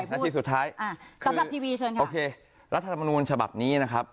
นาทีสุดท้ายเอาเขาพูดสำหรับทีวีเชิญค่ะ